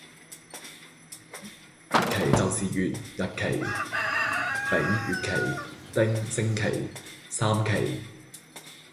「奇」就是乙（日奇）、丙（月奇）、丁（星奇）三奇